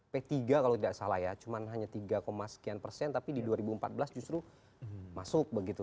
p tiga kalau tidak salah ya cuma hanya tiga sekian persen tapi di dua ribu empat belas justru masuk begitu